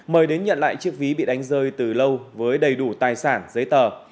mời đến nhận lại chiếc ví bị đánh rơi từ lâu với đầy đủ tài sản giấy tờ